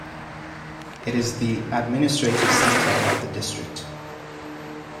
It is the administrative center of the district.